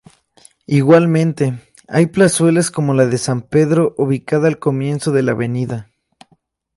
Igualmente, hay plazuelas como la de San Pedro, ubicada al comienzo de la av.